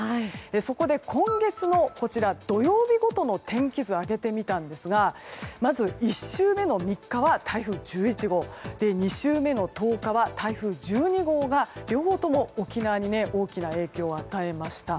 そこで、今月の土曜日ごとの天気図を挙げてみたんですがまず１週目の３日は台風１１号２週目の１０日は台風１２号が両方とも沖縄に大きな影響を与えました。